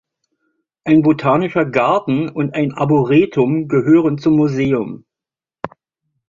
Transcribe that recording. Ein botanischer Garten und ein Arboretum gehören zum Museum.